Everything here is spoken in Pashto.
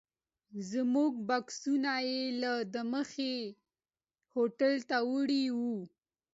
زموږ بکسونه یې لا دمخه هوټل ته وړي وو.